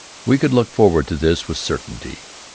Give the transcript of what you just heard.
We could look forward to this with certainty.